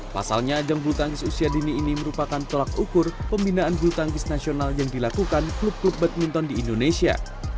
pasalnya ajang bulutangkis usia dini ini merupakan tolak ukur pembinaan bulutangkis nasional yang dilakukan klub klub badminton di indonesia